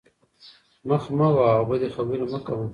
مخ مه وهه او بدې خبرې مه کوه.